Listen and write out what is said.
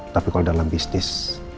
tapi kalau dalam bisnis